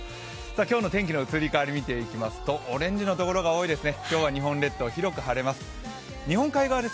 今日の天気の移り変わりを見ていきますと、オレンジのところが多いですね。